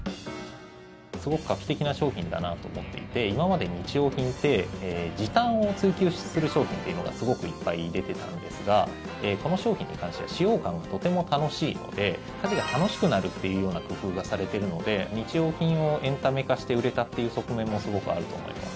すごく画期的な商品だなと思っていて今まで、日用品って時短を追求する商品っていうのがすごくいっぱい出ていたんですがこの商品に関しては使用感がとても楽しいので家事が楽しくなるというような工夫がされているので日用品をエンタメ化して売れたという側面もすごくあると思います。